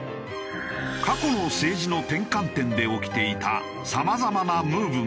過去の政治の転換点で起きていたさまざまなムーブメント。